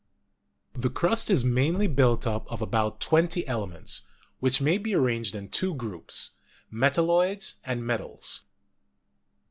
The crust is mainly built up of about twenty elements, which may be arranged in two groups, metalloids and metals.